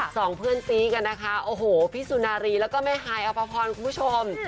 สองเพื่อนซีกันนะคะโอ้โหพี่สุนารีแล้วก็แม่ฮายอภพรคุณผู้ชม